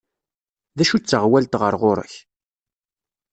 D acu d taɣwalt ɣer ɣur-k?